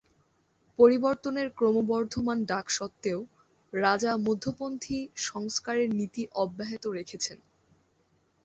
পরিবর্তনের ক্রমবর্ধমান ডাক সত্ত্বেও, রাজা মধ্যপন্থী সংস্কারের নীতি অব্যাহত রেখেছেন।